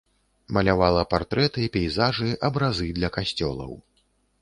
Малявала партрэты, пейзажы, абразы для касцёлаў.